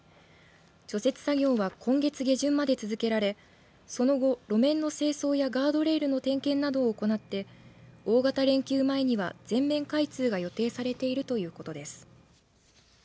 除雪作業は今月下旬まで続けられその後、路面の清掃やガードレールの点検などを行って大型連休前には全面開通が予定されているということです。